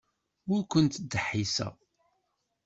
Ur ken-ttdeḥḥiseɣ.